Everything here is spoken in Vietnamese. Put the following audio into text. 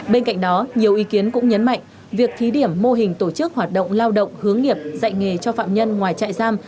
bên cạnh đó nhiều ý kiến cũng nhấn mạnh việc thí điểm mô hình tổ chức hoạt động lao động hướng nghiệp dạy nghề cho phạm nhân ngoài trại giam